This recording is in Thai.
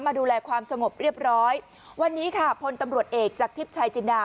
ดูแลความสงบเรียบร้อยวันนี้ค่ะพลตำรวจเอกจากทิพย์ชายจินดา